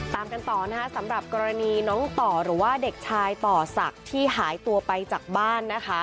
ตามกันต่อนะคะสำหรับกรณีน้องต่อหรือว่าเด็กชายต่อศักดิ์ที่หายตัวไปจากบ้านนะคะ